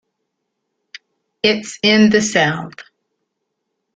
It's in the south!